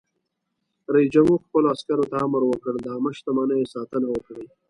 رئیس جمهور خپلو عسکرو ته امر وکړ؛ د عامه شتمنیو ساتنه وکړئ!